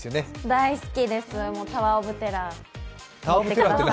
大好きです、タワー・オブ・テラー。